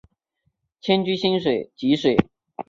迁居蕲水。